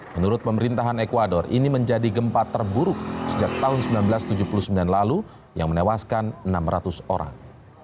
menurut pemerintahan ecuador ini menjadi gempa terburuk sejak tahun seribu sembilan ratus tujuh puluh sembilan lalu yang menewaskan enam ratus orang